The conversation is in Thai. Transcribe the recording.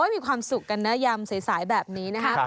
มีความสุขกันนะยำสายแบบนี้นะครับ